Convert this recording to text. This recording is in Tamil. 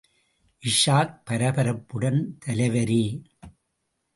இஷாக் பரபரப்புடன், தலைவரே!